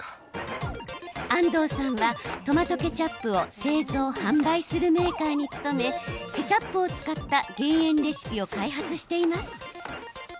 安東さんは、トマトケチャップを製造、販売するメーカーに勤めケチャップを使った減塩レシピを開発しています。